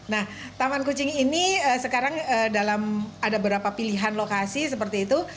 nah taman kucing ini sekarang dalam ada beberapa pilihan lokasi seperti itu